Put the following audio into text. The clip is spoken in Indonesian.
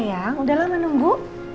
sayang udah lama nunggu